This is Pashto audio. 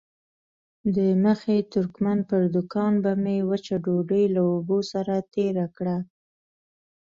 د مخي ترکمن پر دوکان به مې وچه ډوډۍ له اوبو سره تېره کړه.